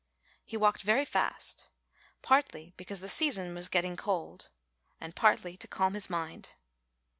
He walked very fast, partly because the season was getting cold and partly to calm his mind.